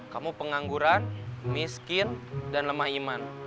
kamu pengangguran miskin dan lemah iman